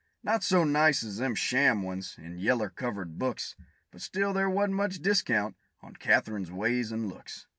Not so nice as them sham ones in yeller covered books; But still there wa'n't much discount on Katherine's ways an' looks.